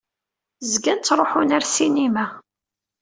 Zgan ttṛuḥun ar ssinima.